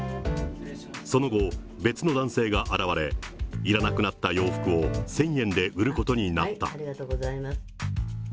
その後、別の男性が現れ、いらなくなった洋服を１０００円で売ることになった。